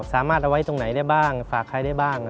สามารถเอาไว้ตรงไหนได้บ้างฝากใครได้บ้าง